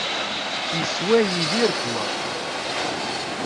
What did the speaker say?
Iswa Yidir ddwa.